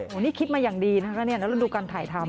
โหนี่คลิปมาอย่างดีนะครับเนี่ยแล้วเราดูการถ่ายทำ